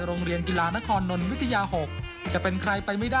โรงเรียนกีฬานครนลวิทยา๖